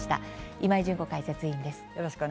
今井純子解説委員です。